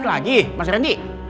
siap mas randy